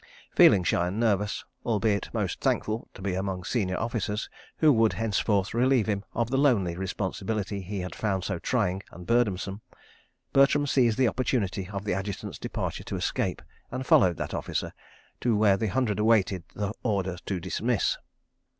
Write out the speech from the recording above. Feeling shy and nervous, albeit most thankful to be among senior officers who would henceforth relieve him of the lonely responsibility he had found so trying and burdensome, Bertram seized the opportunity of the Adjutant's departure to escape, and followed that officer to where the Hundred awaited the order to dismiss.